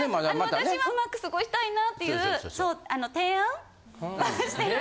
私はうまく過ごしたいなっていう提案はしてる。